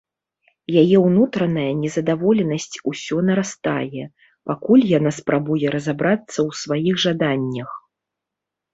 Яе ўнутраная незадаволенасць усё нарастае, пакуль яна спрабуе разабрацца ў сваіх жаданнях.